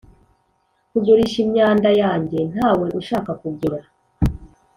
kugurisha imyanda yanjye ntawe ushaka kugura.